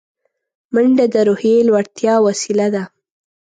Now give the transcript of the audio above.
منډه د روحیې لوړتیا وسیله ده